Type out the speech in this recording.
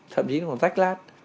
thậm chí còn rách lát